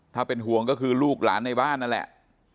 ถ้าเป็นห่วงก็คือลูกหลานในบ้านนั่นแหละ